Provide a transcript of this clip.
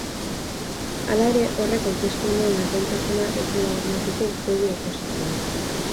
Hala ere, horrek hauteskundeen gardentasuna ez duela bermatuko uste du oposizioak.